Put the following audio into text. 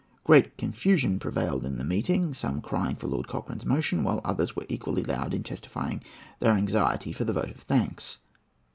Great confusion prevailed in the meeting, some crying out for Lord Cochrane's motion, while others were equally loud in testifying their anxiety for the vote of thanks.